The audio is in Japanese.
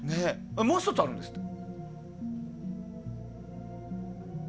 もう１つあるんですって。